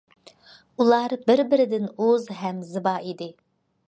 ئۇلار بىر- بىرىدىن ئۇز ھەم زىبا ئىدى.